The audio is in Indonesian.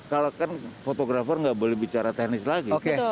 kalau kan fotografer nggak boleh bicara teknis lagi